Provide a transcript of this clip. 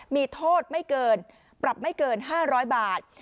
มีโทษไม่เกินปรับไม่เกิน๕๐๐บาท